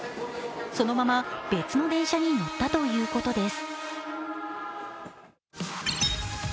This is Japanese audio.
そのまま別の電車に乗ったということです。